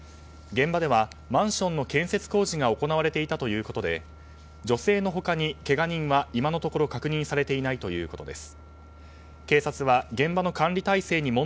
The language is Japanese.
現場ではマンションの建設工事が行われていたということで女性の他に、けが人は今のところ確認されていないということです。